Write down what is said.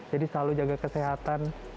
jadi selalu jaga kesehatan